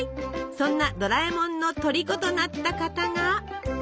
そんなドラえもんのとりことなった方が。